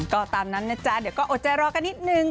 ก็ตามนั้นนะจ๊ะเดี๋ยวก็อดใจรอกันนิดนึง